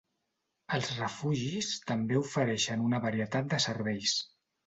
Els refugis també ofereixen un varietat de serveis.